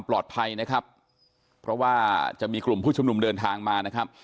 ปลอดภัยนะครับเพราะว่าจะมีกลุ่มผู้ชุมนุมเดินทางมานะครับ